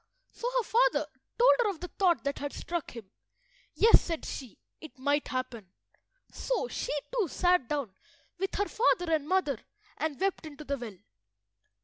So her father told her of the thought that had struck him. "Yes," said she, "it might happen." So she too sat down with her father and mother, and wept into the well.